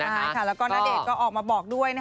ใช่ค่ะแล้วก็ณเดชน์ก็ออกมาบอกด้วย